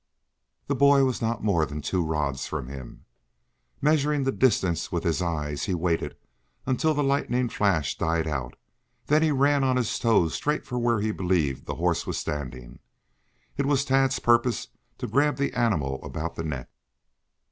The boy was not more than two rods from him. Measuring the distance with his eyes, he waited until the lightning flash died out, then ran on his toes straight for where he believed the horse was standing. It was Tad's purpose to grab the animal about the neck.